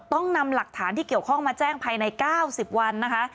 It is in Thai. ต้องนำหลักฐานที่เกี่ยวข้องมาแจ้งภายใน๙๐วันนะคะ